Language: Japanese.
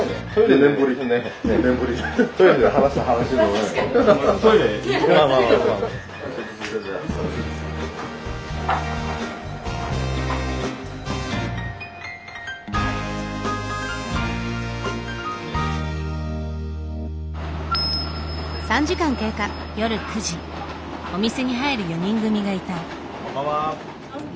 お店に入る４人組がいた。